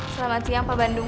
selamat siang pak bandung